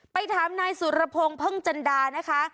ถามนายสุรพงศ์พึ่งจันดานะคะ